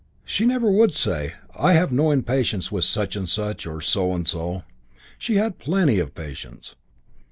She never would say, "I have no patience with such and such or so and so." She had plenty of patience.